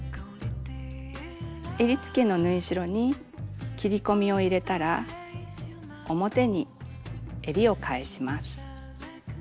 えりつけの縫い代に切り込みを入れたら表にえりを返します。